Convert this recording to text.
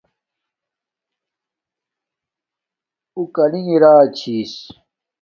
اُو کالنݣ ارا چھس